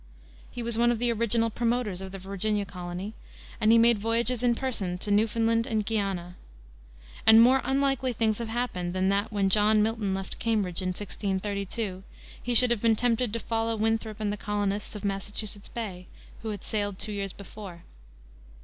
He was one of the original promoters of the Virginia colony, and he made voyages in person to Newfoundland and Guiana. And more unlikely things have happened than that when John Milton left Cambridge in 1632, he should have been tempted to follow Winthrop and the colonists of Massachusetts Bay, who had sailed two years before.